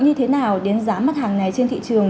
như thế nào đến giá mặt hàng này trên thị trường